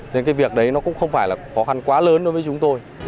nên cái việc đấy nó cũng không phải là khó khăn quá lớn đối với chúng tôi